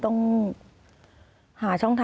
หลังจากขาดเสาหลักไปแล้วชีวิตเราเปลี่ยนไหมครับ